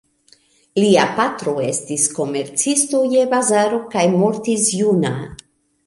Lia patro estis komercisto je bazaro kaj mortis juna.